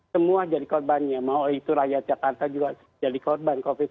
semua jadi korbannya mau itu rakyat jakarta juga jadi korban covid